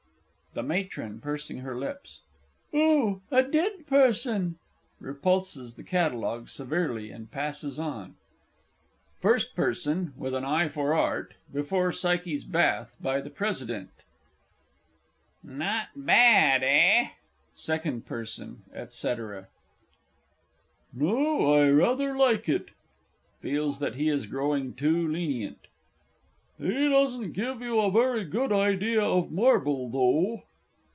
THE MATRON (pursing her lips). Oh, a dead person. [Repulses the Catalogue severely and passes on. FIRST PERSON, with an "Eye for Art" (before "Psyche's Bath," by the President). Not bad, eh? SECOND PERSON, &c. No, I rather like it. (Feels that he is growing too lenient). He doesn't give you a very good idea of marble, though.